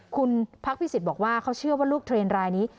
คุณพักพิสิทธิ์บอกว่าเขาเชื่อว่าลูกเทรนดรายนี้